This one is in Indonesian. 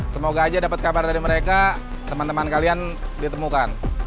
semoga aja dapat kabar dari mereka teman teman kalian ditemukan